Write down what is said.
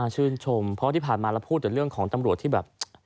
ชื่นชมเพราะที่ผ่านมาเราพูดแต่เรื่องของตำรวจที่แบบ